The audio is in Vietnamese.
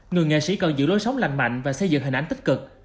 người nghệ sĩ cần giữ lối sống lành mạnh và xây dựng hình ảnh tích cực